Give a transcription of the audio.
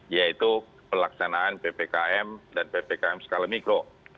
yaitu pelaksanaan ppkm dan ppkm skala mikro